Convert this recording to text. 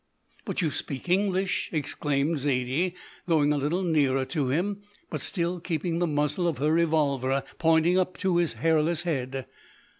"But you speak English," exclaimed Zaidie, going a little nearer to him, but still keeping the muzzle of her revolver pointing up to his hairless head.